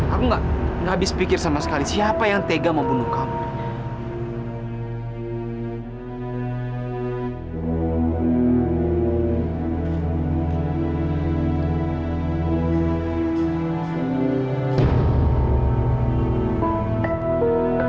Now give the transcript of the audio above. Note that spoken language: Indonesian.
aku nggak habis pikir sama sekali siapa yang tega membunuh kamu